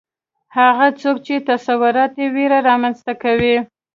هغه څوک چې تصورات یې ویره رامنځته کوي